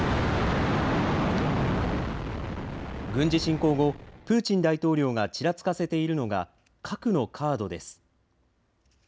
軍事侵攻後、プーチン大統領がちらつかせているのが核のカードです。